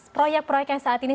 proyek proyek yang saat ini